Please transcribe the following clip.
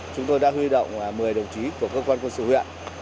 chúng tôi đã huy động một mươi đồng chí của cơ quan quân sự huyện